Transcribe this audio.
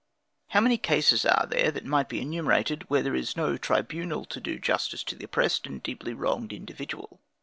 How many cases are there, that might be enumerated, where there is no tribunal to do justice to an oppressed and deeply wronged individual?